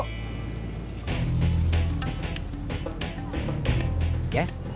udah tetep gak